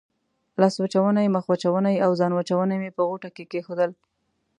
لاسوچونې، مخوچونې او ځانوچونی مې په غوټه کې کېښودل.